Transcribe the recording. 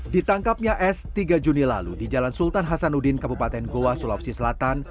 ditangkapnya s tiga juni lalu di jalan sultan hasanuddin kabupaten goa sulawesi selatan